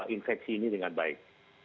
infeksi ini dengan baik